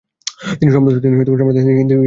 তিনি সম্ভ্রান্ত হিন্দু ব্রাহ্মণ পরিবারের একজন ছিলেন।